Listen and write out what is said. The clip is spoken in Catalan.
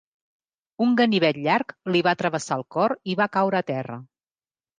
Un ganivet llarg li va travessar el cor i va caure a terra.